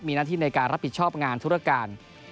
มีหน้าที่ในการรับผิดชอบงานธุรการ